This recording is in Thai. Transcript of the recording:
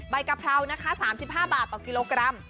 กะเพรานะคะ๓๕บาทต่อกิโลกรัม